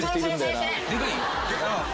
でかい？